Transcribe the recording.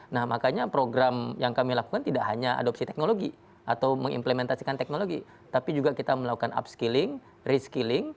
nah makanya program yang kami lakukan tidak hanya adopsi teknologi atau mengimplementasikan teknologi tapi juga kita melakukan upskilling reskilling